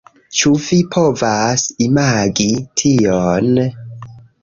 Ĉu vi povas imagi tion?